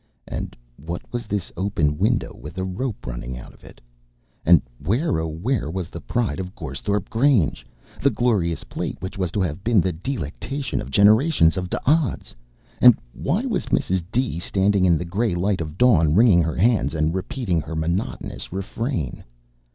and what was this open window with a rope running out of it? And where, O where, was the pride of Goresthorpe Grange, the glorious plate which was to have been the delectation of generations of D'Odds? And why was Mrs. D. standing in the gray light of dawn, wringing her hands and repeating her monotonous refrain?